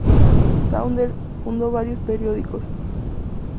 Saunders fundó varios periódicos.